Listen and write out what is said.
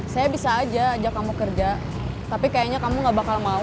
saya bisa ajak kamu kerja tapi kayaknya kamu gak bakal mau